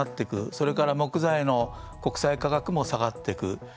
それから木材の国際価格も下がっていく。